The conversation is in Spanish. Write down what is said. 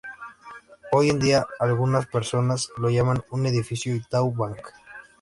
Hoy en día, algunas personas lo llaman un edificio Itaú Bank.